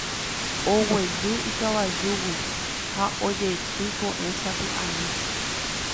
Oguejy ikavajúgui ha ojeity oke sapy'ami.